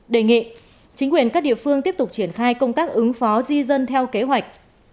đề nghị chính quyền các địa phương tiếp tục triển khai công tác ứng phó di dân theo kế hoạch